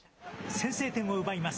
先制点を奪います。